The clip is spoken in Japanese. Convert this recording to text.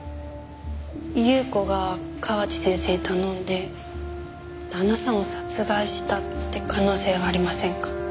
優子が河内先生に頼んで旦那さんを殺害したって可能性はありませんか？